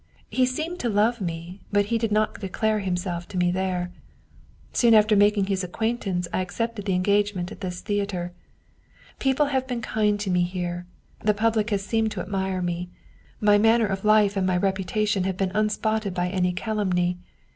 He seemed to love me, but he did not declare himself to me there. Soon after making his acquaintance I accepted the engagement at this theater. People have been kind to me here; the public has seemed to admire me. My manner of life and my reputation have been unspotted by any calumny.